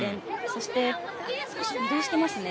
そして、少し移動してますね。